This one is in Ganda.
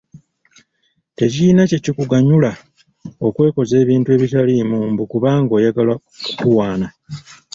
Tekirina kye kikuganyula okwekoza ebintu ebitaliimu mbu kubanga oyagala kukuwaana.